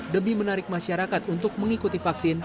demi menarik masyarakat untuk mengikuti vaksin